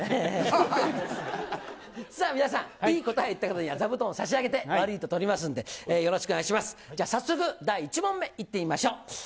さあ、皆さん、いい答え言った方には座布団を差し上げて、悪いと取りますんで、じゃあ早速、第１問目、まいりましょう。